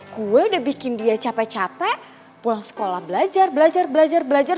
gue udah bikin dia capek capek pulang sekolah belajar belajar belajar belajar